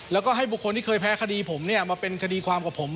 แล้วก็ให้บุคคลที่เคยแพ้คดีผมเนี่ยมาเป็นคดีความกับผม